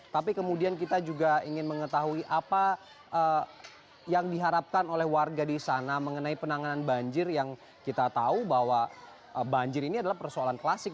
tapi kemudian kita juga ingin mengetahui apa yang diharapkan oleh warga di sana mengenai penanganan banjir yang kita tahu bahwa banjir ini adalah persoalan klasik